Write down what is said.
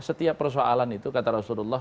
setiap persoalan itu kata rasulullah